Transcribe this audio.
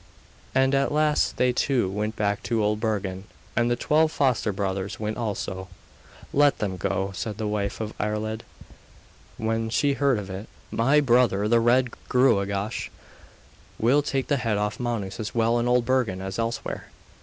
And at last they two went back to Old Bergen, and the twelve foster brothers went also. 'Let them go,' said the wife of Iarlaid, when she heard of it. 'My brother the Red Gruagach will take the head off Manus as well in Old Bergen as elsewhere.